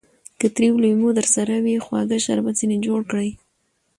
که تريو لېمو درسره يي؛ خواږه شربت ځني جوړ کړئ!